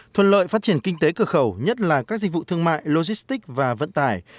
thuận lợi phát triển kinh tế cửa khẩu nhất là các dịch vụ thương mại logistic và vận tải